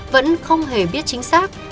vẫn không hề biết chính xác